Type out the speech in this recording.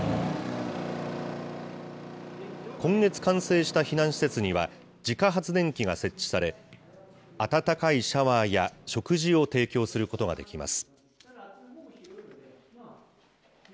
今月完成した避難施設には自家発電機が設置され、温かいシャワーや食事を提供することができます。